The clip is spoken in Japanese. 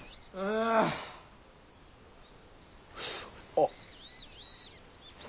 あっ。